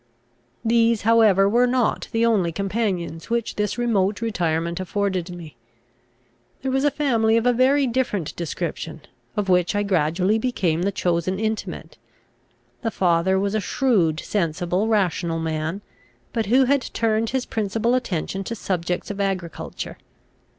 These however were not the only companions which this remote retirement afforded me. There was a family of a very different description, of which I gradually became the chosen intimate. The father was a shrewd, sensible, rational man, but who had turned his principal attention to subjects of agriculture.